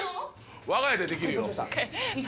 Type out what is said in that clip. わが家でできるよ。